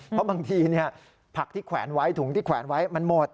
เพราะบางทีผักที่แขวนไว้ถุงที่แขวนไว้มันหมด